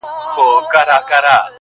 • رود یوازي هغه وخت په دې پوهیږي -